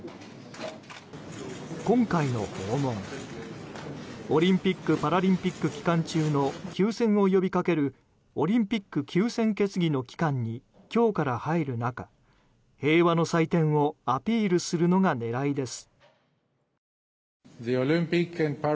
今回の訪問、オリンピック・パラリンピック期間中の休戦を呼びかけるオリンピック休戦決議の期間に今日から入る中、平和の祭典をアピールするのが狙いです。